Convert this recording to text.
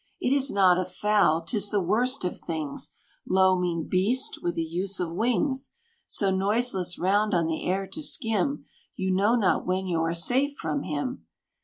It is not a fowl! 'tis the worst of things, low, mean beast, with the use of wings, So noiseless round on the air to skim, You know not when you are safe from him."